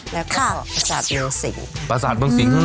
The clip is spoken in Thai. แล้วก็ประศาสตร์เมืองสิง